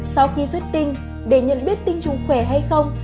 sau khi xuất tinh để nhận biết tinh trùng khỏe hay không